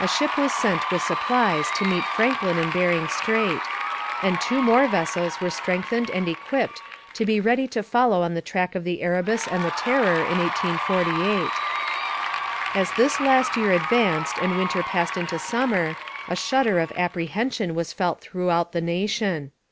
A ship was sent with supplies to meet Franklin in Bering Strait, and two more vessels were strengthened and equipped to be ready to follow on the track of the Erebus and the Terror in 1848. As this last year advanced and winter passed into summer, a shudder of apprehension was felt throughout the nation.